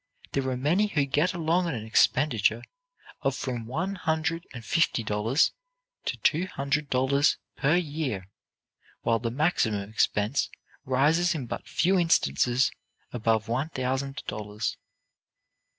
There are many who get along on an expenditure of from one hundred and fifty dollars to two hundred dollars per year, while the maximum expense rises in but few instances above one thousand dollars.